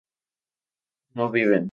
no viven